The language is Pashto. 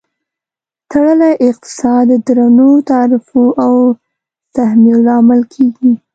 تړلی اقتصاد د درنو تعرفو او سهمیو لامل کیږي.